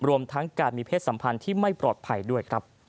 รวมทั้งการมีเพศสัมพันธ์ที่ไม่ปลอดภัยด้วยครับ